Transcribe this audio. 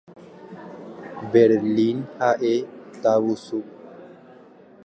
Berlín ha'e tavusu.